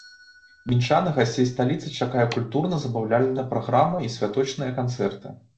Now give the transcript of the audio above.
Мінчан і гасцей сталіцы чакае культурна-забаўляльная праграма і святочныя канцэрты.